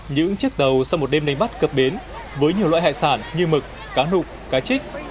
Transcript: những chiếc tàu sau một đêm đánh bắt cập bến với nhiều loại hải sản như mực cá nục cá trích